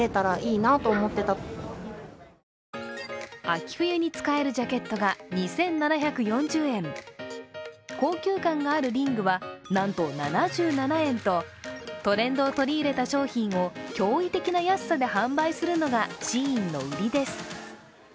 秋冬に使えるジャケットが２７４０円、高級感があるリングはなんと７７円とトレンドを取り入れた商品を驚異的な安さで販売するのがＳＨＥＩＮのウリです。